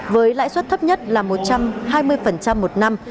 với lãi suất thấp nhất là một trăm hai mươi một năm